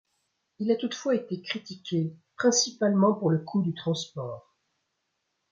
Il a toutefois été critiqué, principalement pour le coût du transport.